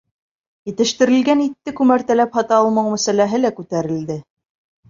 Етештерелгән итте күмәртәләп һата алмау мәсьәләһе лә күтәрелде.